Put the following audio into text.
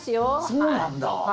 そうなんだ。